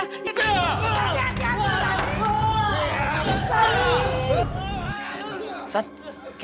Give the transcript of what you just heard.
tidak tiada apa apa